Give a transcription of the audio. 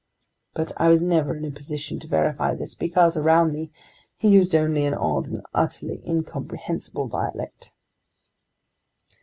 But I was never in a position to verify this because, around me, he used only an odd and utterly incomprehensible dialect.